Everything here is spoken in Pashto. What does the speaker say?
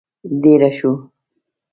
دېره شوو.